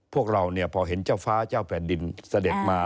พวกเราพอเห็นเจ้าฟ้าเจ้าแผ่นดินเสด็จมา